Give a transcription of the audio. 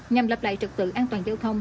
nhằm lập lại trật tự an toàn giao thông